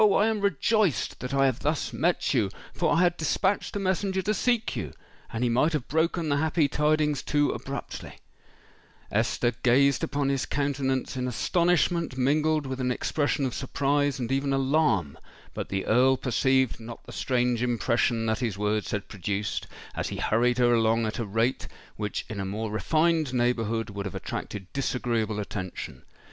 I am rejoiced that I have thus met you—for I had dispatched a messenger to seek you—and he might have broken the happy tidings too abruptly——" Esther gazed upon his countenance in astonishment mingled with an expression of surprise and even alarm: but the Earl perceived not the strange impression that his words had produced, as he hurried her along at a rate which in a more refined neighbourhood would have attracted disagreeable attention.